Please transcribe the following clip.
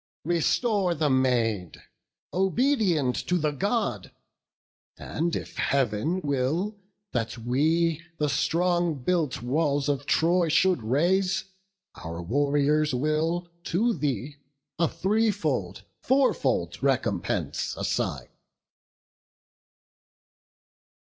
Restore the maid, obedient to the God! And if Heav'n will that we the strong built walls Of Troy should raze, our warriors will to thee A threefold, fourfold recompense assign."